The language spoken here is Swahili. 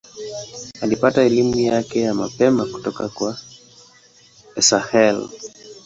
Alipata elimu yake ya mapema kutoka kwa Esakhel.